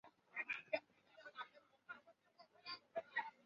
春日町为爱知县西部西春日井郡的町。